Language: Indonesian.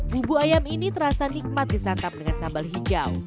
bubu ayam ini terasa nikmat disantap dengan sambal hijau